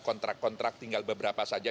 kontrak kontrak tinggal beberapa saja